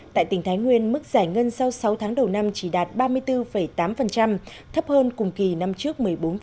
tại tỉnh thái nguyên mức giải ngân sau sáu tháng đầu năm chỉ đạt ba mươi bốn tám thấp hơn cùng kỳ năm trước một mươi bốn